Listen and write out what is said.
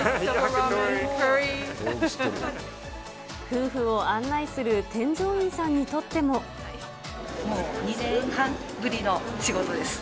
夫婦を案内する添乗員さんにとっもう２年半ぶりの仕事です。